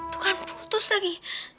tuh kan putus lagi